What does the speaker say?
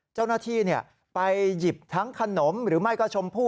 เจ้าหน้าที่ไปหยิบทั้งขนมหรือไม่ก็ชมพู่